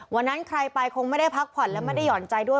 วันนั้นใครไปคงไม่ได้พักผ่อนและไม่ได้ห่อนใจด้วย